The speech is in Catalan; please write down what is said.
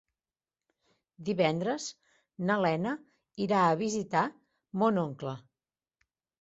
Divendres na Lena irà a visitar mon oncle.